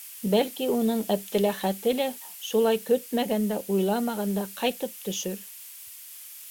Бәлки, уның Әптеләхәте лә шулай көтмәгәндә-уйламағанда ҡайтып төшөр?